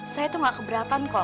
saya tuh gak keberatan kok